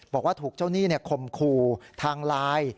บอกว่าถูกเจ้าหนี้ข่มขู่ทางไลน์